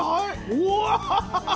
うわ！